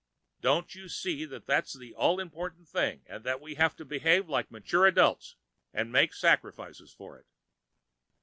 Don't you see that that's the all important thing and that we have to behave like mature adults and make sacrifices for it?"